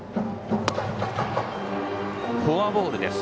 フォアボールです。